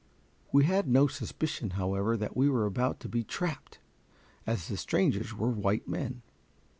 We had no suspicion, however, that we were about to be trapped, as the strangers were white men.